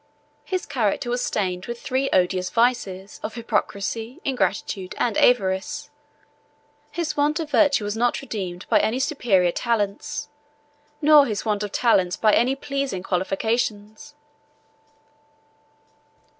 His character was stained with the three odious vices of hypocrisy, ingratitude, and avarice: his want of virtue was not redeemed by any superior talents, nor his want of talents by any pleasing qualifications.